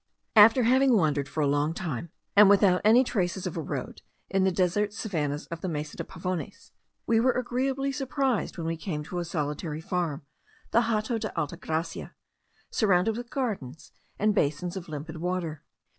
After having wandered for a long time, and without any traces of a road, in the desert savannahs of the Mesa de Pavones, we were agreeably surprised when we came to a solitary farm, the Hato de Alta Gracia, surrounded with gardens and basins of limpid water.